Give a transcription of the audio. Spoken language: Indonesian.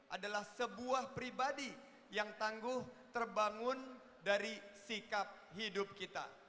adalah sebuah pribadi yang tangguh terbangun dari sikap hidup kita